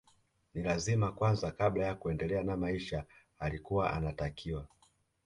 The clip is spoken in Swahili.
Ni lazima kwanza kabla ya kuendelea na maisha alikuwa anatakiwa